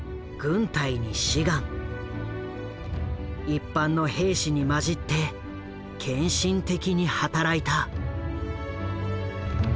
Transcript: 一般の兵士に交じって献身的に働いた。